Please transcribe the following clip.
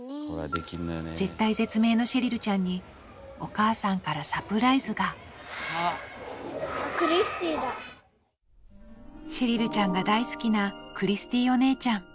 絶体絶命のシェリルちゃんにお母さんからサプライズがシェリルちゃんが大好きなクリスティお姉ちゃん。